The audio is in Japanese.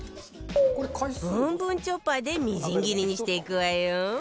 ブンブンチョッパーでみじん切りにしていくわよ